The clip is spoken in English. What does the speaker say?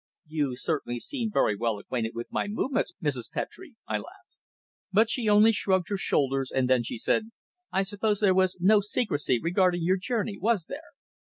"You certainly seem very well acquainted with my movements, Mrs. Petre," I laughed. But she only shrugged her shoulders. Then she said: "I suppose there was no secrecy regarding your journey, was there?"